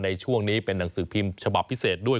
ในช่วงนี้เป็นหนังสือพิมพ์ฉบับพิเศษด้วย